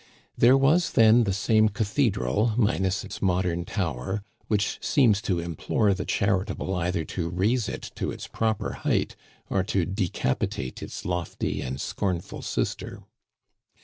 There was then the same cathedral, minus its modern tower, which seems to implore the charitable either to raise it to its proper height or to decapitate its lofty and scornful sister.